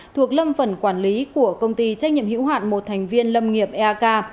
thuộc lâm phần quản lý của công ty trách nhiệm hữu hạn một thành viên lâm nghiệp eak